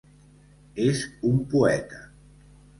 És un poeta.